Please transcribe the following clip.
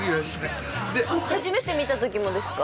初めて見たときもですか？